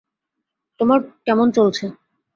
তোমার কেমন চলছে?